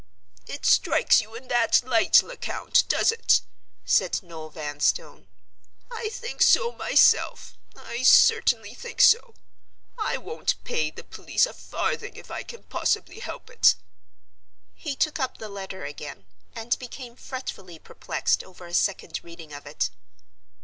"It strikes you in that light, Lecount—does it?" said Noel Vanstone. "I think so myself; I certainly think so. I won't pay the police a farthing if I can possibly help it." He took up the letter again, and became fretfully perplexed over a second reading of it.